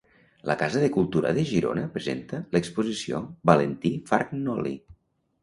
La Casa de Cultura de Girona presenta l'exposició Valentí Fargnoli.